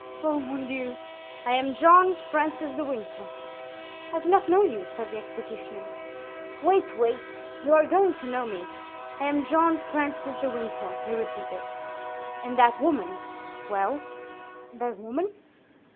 "Oh, mon Dieu!" "I am John Francis de Winter." "I do not know you," said the executioner. "Wait, wait; you are going to know me. I am John Francis de Winter," he repeated, "and that woman——" "Well, that woman?"